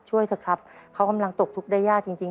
ช่วยเถอะครับเขากำลังตกทุกข์ได้ยากจริงจริง